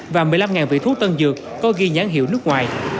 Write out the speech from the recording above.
và một mươi năm vị thuốc tân dược có ghi nhãn hiệu nước ngoài